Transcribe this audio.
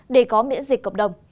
để có miễn dịch cộng đồng